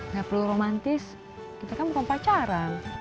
gak perlu romantis kita kan mau pacaran